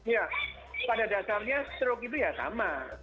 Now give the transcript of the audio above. ya pada dasarnya stroke itu ya sama